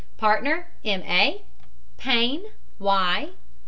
PARTNER, M. A. PAYNE, Y.